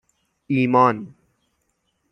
ایمان